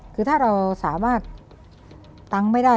คือถ้าเราสามารถตังค์ไม่ได้